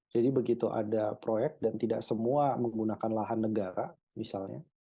jadi begitu ada proyek dan tidak semua menggunakan lahan negara misalnya